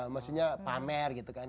maksudnya pamer gitu kan